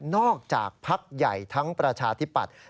นอกจากภักดิ์ใหญ่ทั้งประชาธิปัตย์